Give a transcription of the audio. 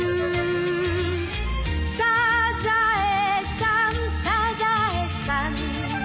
「サザエさんサザエさん」